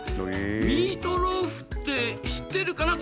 ミートローフって知ってるかな？